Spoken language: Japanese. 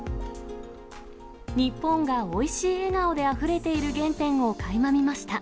日本がおいしい笑顔であふれている原点をかいま見ました。